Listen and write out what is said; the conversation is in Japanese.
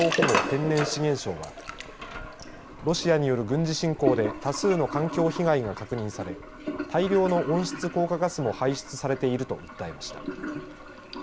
天然資源相はロシアによる軍事侵攻で多数の環境被害が確認され大量の温室効果ガスも排出されていると訴えました。